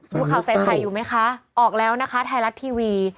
ดูข่าวใส่ไข่อยู่ไหมคะออกแล้วนะคะไทยรัฐทีวี